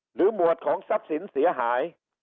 หมวดของทรัพย์สินเสียหาย